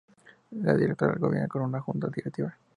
El Director gobierna con una Junta Directiva.